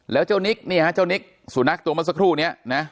แล้วเจ้านิกเนี่ยฮะเจ้านิกสุนัขตัวเมื่อสักครู่นี้นะ